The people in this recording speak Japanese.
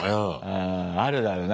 うんあるだろうな。